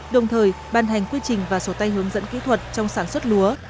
đồng thời ban hành quy trình và sổ tay hướng dẫn kỹ thuật trong sản xuất lúa